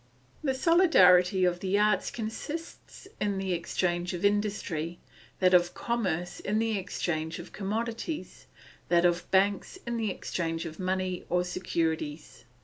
The solidarity of the arts consists in the exchange of industry, that of commerce in the exchange of commodities, that of banks in the exchange of money or securities.